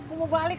eh mau balik